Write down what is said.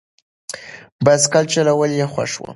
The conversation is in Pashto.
بایسکل چلول یې خوښ و.